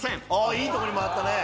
いいところに回ったね。